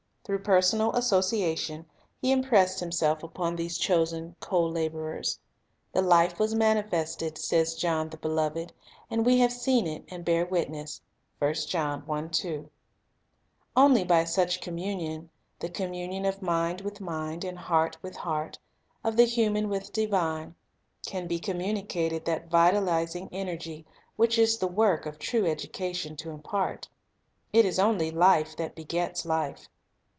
Through personal association He impressed Himself upon these chosen co laborers. "The Life was manifested," says John the beloved, "and we have seen it, and bear witness." 1 Only by such communion, — the communion of mind with mind and heart with heart, of the human with the divine, — can be communicated that vitalizing energy which it is the work of true education to impart. It is only life that begets life.